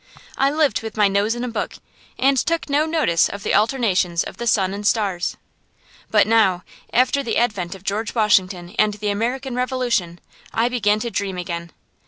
I lived with my nose in a book, and took no notice of the alternations of the sun and stars. But now, after the advent of George Washington and the American Revolution, I began to dream again.